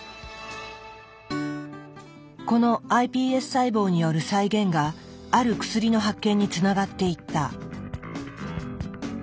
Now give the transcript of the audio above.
このｉＰＳ細胞による再現がある薬の発見につながっていった。